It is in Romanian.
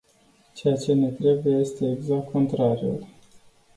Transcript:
Ceea ce ne trebuie este exact contrariul.